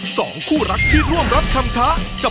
สองคู่รักที่ร่วมรับคำทะ